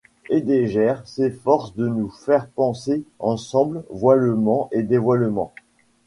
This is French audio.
Heidegger s'efforce de nous faire penser ensemble voilement et dévoilement.